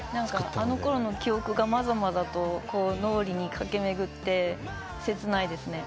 あのころの記憶がまざまざと脳裏に駆け巡って切ないですね。